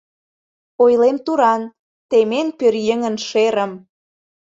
Ойлем туран, темен пӧръеҥын шерым